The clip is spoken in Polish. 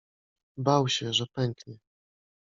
Bał się, że pęknie.